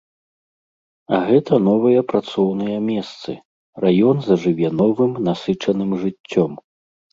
А гэта новыя працоўныя месцы, раён зажыве новым насычаным жыццём.